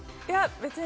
別に？